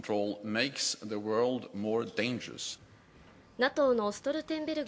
ＮＡＴＯのストルテンベルグ